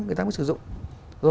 người ta mới sử dụng